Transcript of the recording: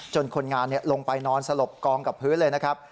คนงานลงไปนอนสลบกองกับพื้นเลยนะครับ